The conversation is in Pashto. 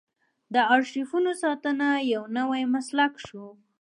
د ارشیفونو ساتنه یو نوی مسلک شو.